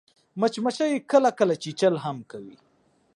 مچمچۍ کله کله چیچل هم کوي